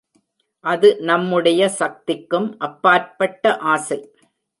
அது நம்முடைய சக்திக்கும் அப்பாற்பட்ட ஆசை.